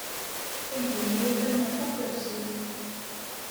Aydi-nni atan ɣef ukersi.